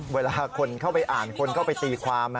เวลาคนเข้าไปอ่านคนเข้าไปตีความ